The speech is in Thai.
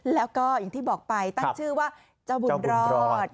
แล้วก็อย่างที่บอกไปตั้งชื่อว่าเจ้าบุญรอด